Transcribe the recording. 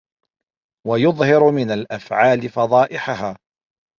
وَيُظْهِرُ مِنْ الْأَفْعَالِ فَضَائِحَهَا